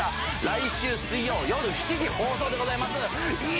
来週水曜よる７時放送でございます。